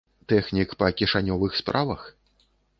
Тэхнік па кішанёвых справах?